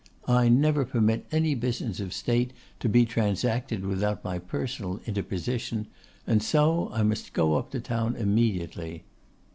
I never permit any business of State to be transacted without my personal interposition; and so I must go up to town immediately.